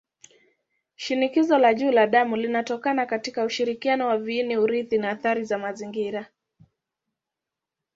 Shinikizo la juu la damu linatokana katika ushirikiano wa viini-urithi na athari za mazingira.